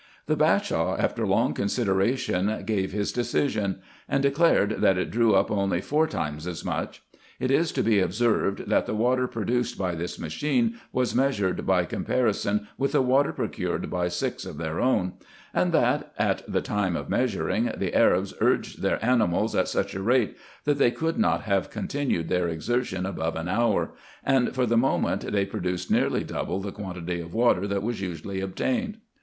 IN EGYPT, NUBIA, &c. 23 The Bashaw, after long consideration, gave his decision ; and declared, that it drew up only four times as much. It is to be observed, that the water produced by this machine was measured by com parison with the water procured by six of their own ; and that, at the time of measuring, the Arabs urged their animals at such a rate, that they could not have continued their exertion above an hour; and for the moment they produced nearly double the quantity of water, that was usually obtained.